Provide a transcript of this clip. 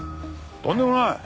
とんでもない！